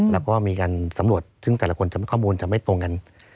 แล้วก็มีการสำรวจซึ่งแต่ละคนข้อมูลจะไม่ตรงกัน